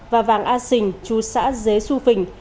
và vàng a xình chú xã dế xu phình